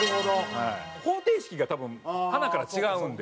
方程式が多分はなから違うんで。